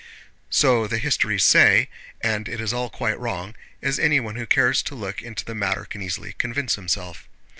So the histories say, and it is all quite wrong, as anyone who cares to look into the matter can easily convince himself.